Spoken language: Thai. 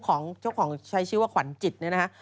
ของเจ้าของใช้ชื่อว่าขวัญจิตเนี่ยนะฮะ